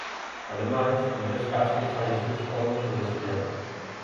Ademais, Andrés Castro fai a súa escolma sobre cinema.